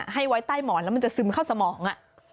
ให้ไว้ใต้หมอนแล้วมันจะซึมเข้าสมอง